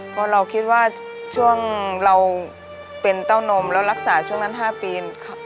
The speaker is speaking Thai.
เพราะเราคิดว่าช่วงเราเป็นเต้านมแล้วรักษาช่วงนั้น๕ปี